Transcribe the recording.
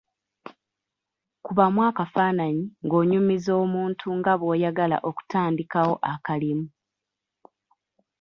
Kubamu akafaananyi ng’onyumiza omuntu nga bw’oyagala okutandikawo akalimu.